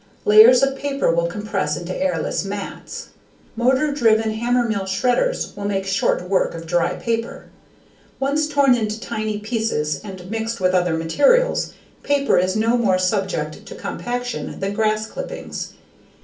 Layers of paper will compress into airless mats. Motor driven hammermill shredders will make short work of dry paper. Once torn into tiny pieces and mixed with other materials, paper is no more subject to compaction than grass clippings.